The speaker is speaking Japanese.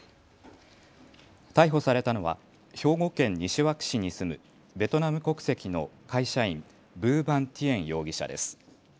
逮捕されたのは兵庫県西脇市に住むベトナム国の会社員ヴー・ヴァン・ティエン容疑者です。